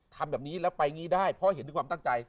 ทำแบบนี้แล้วไปงี้ได้เพราะเห็นด้วยความตั้งใจ